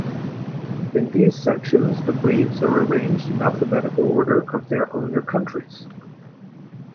In these sections the breeds are arranged in alphabetical order of their owner countries.